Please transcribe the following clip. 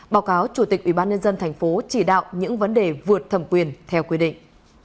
báo cáo chủ tịch ubnd tp chỉ đạo những vấn đề vượt thẩm quyền theo quy định